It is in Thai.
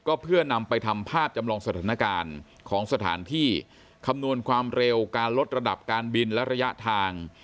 ก็เพื่อนำไปทำภาพจำลองสถานการณ์ของสถานที่คำนวณความเร็วการลดระดับการบินและระยะทาง